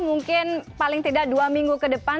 mungkin paling tidak dua minggu ke depan